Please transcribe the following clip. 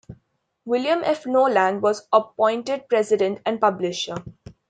William F. Knowland was appointed president and publisher.